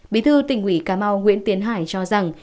bí thư tỉnh ủy cà mau nguyễn tiến hải cho rằng